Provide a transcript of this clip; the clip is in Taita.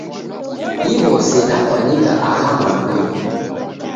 Diw'ose dakwanyika aha mwandunyi.